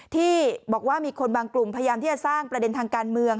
ที่บอกว่ามีคนบางกลุ่มพยายามที่จะสร้างประเด็นทางการเมือง